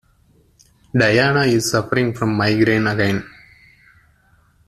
Diana is suffering from migraine again.